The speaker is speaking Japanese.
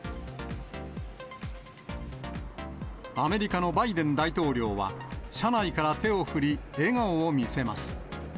アメリカのバイデン大統領は、車内から手を振り、笑顔を見せます。